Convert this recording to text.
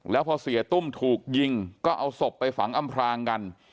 แล้วพอเสียตุ้มถูกยิงก็เอาศพไปฝังอำพลางกัน